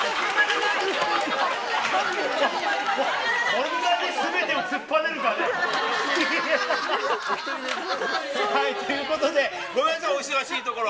こんなにすべてを突っぱねるかね。ということで、ごめんなさい、お忙しいところ。